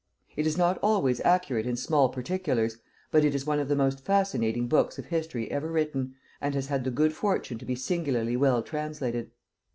It is not always accurate in small particulars, but it is one of the most fascinating books of history ever written, and has had the good fortune to be singularly well translated.